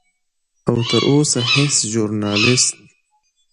او تر اوسه هیڅ ژورنالست